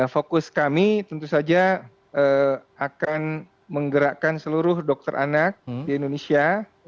fokus kami tentu saja akan menggerakkan seluruh dokter anak di indonesia